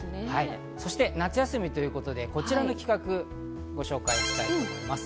そして夏休みということで、こちらの企画ご紹介したいと思います。